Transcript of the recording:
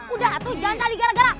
udah tuh jangan cari gara gara